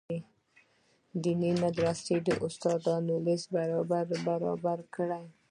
دیني مدرسو استادانو لست برابر کړي.